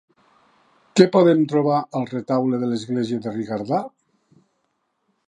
Què podem trobar al retaule de l'església de Rigardà?